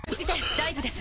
大丈夫です。